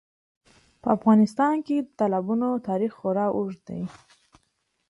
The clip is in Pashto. په افغانستان کې د تالابونو تاریخ خورا اوږد دی.